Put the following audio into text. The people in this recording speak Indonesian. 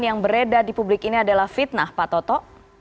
yang beredar di publik ini adalah fitnah pak toto